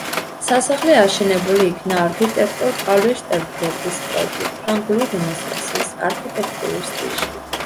სასახლე აშენებული იქნა არქიტექტორ პავლე შტერნბერგის პროექტით „ფრანგული რენესანსის“ არქიტექტურულ სტილში.